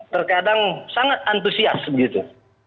terkadang sangat antusias begitu